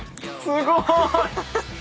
すごーい！